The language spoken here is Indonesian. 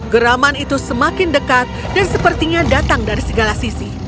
geraman itu semakin dekat dan sepertinya datang dari segala sisi